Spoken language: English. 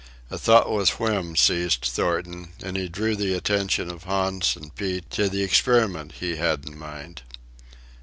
A thoughtless whim seized Thornton, and he drew the attention of Hans and Pete to the experiment he had in mind.